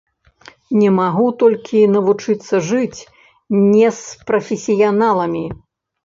Не магу толькі навучыцца жыць не з прафесіяналамі.